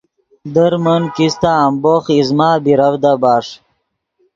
در من کیستہ امبوخ ایزمہ بیرڤدا بݰ